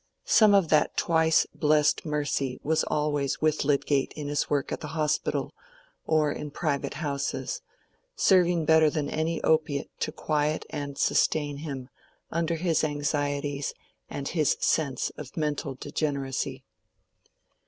Some of that twice blessed mercy was always with Lydgate in his work at the Hospital or in private houses, serving better than any opiate to quiet and sustain him under his anxieties and his sense of mental degeneracy.